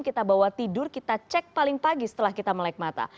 kita bawa tidur kita cek paling pagi setelah kita melek mata